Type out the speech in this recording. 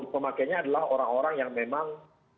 pemakainya adalah orang orang yang memang